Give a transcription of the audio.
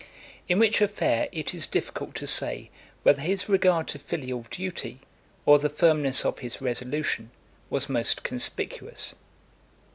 In which affair it is difficult to say, whether his regard to filial duty, or the firmness of his resolution, was most conspicuous.